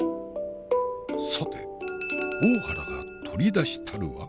さて大原が取り出したるは。